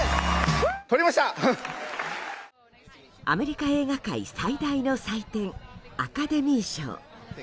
アメリカ映画界最大の祭典アカデミー賞。